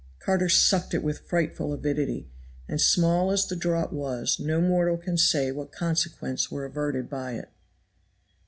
Carter sucked it with frightful avidity, and small as the draught was no mortal can say what consequences were averted by it.